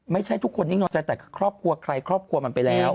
ไม่ใช่ทุกคนนิ่งนอนใจแต่ครอบครัวใครครอบครัวมันไปแล้ว